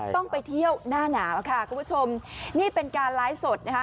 ต้องไปเที่ยวหน้าหนาวค่ะคุณผู้ชมนี่เป็นการไลฟ์สดนะคะ